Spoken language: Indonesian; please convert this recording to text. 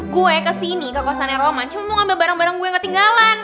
gue kesini ke kosannya roman cuma mau ngambil barang barang gue yang ketinggalan